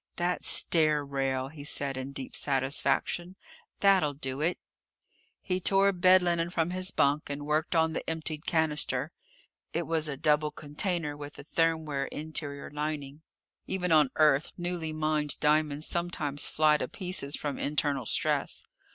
"That stair rail," he said in deep satisfaction. "That'll do it!" He tore bed linen from his bunk and worked on the emptied cannister. It was a double container with a thermware interior lining. Even on Earth newly mined diamonds sometimes fly to pieces from internal stress.